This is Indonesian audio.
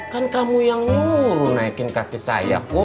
kan kamu yang nurun naikin kaki saya kum